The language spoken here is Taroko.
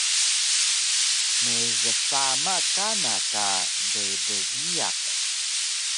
mgsama kana ka ddgiyaq